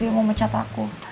dia mau mencat aku